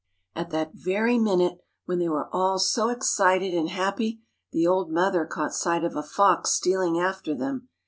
At that very minute, when they were all so excited and happy, the old mother caught sight of a fox stealing after them.